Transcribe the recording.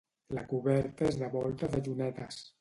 La coberta és de volta de llunetes.